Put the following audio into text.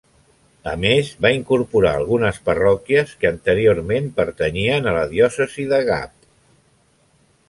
A més, va incorporar algunes parròquies que anteriorment pertanyien a la diòcesi de Gap.